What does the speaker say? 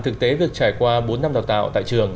thực tế việc trải qua bốn năm đào tạo tại trường